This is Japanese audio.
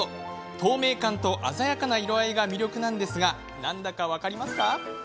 透明感と鮮やかな色合いが魅力なんですが何だか分かります？